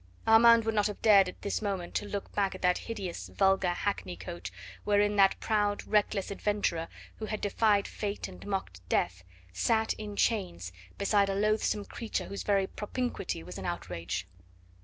Armand would not have dared at this moment to look back at that hideous, vulgar hackney coach wherein that proud, reckless adventurer, who had defied Fate and mocked Death, sat, in chains, beside a loathsome creature whose very propinquity was an outrage.